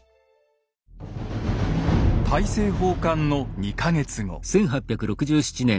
大政奉還の２か月後。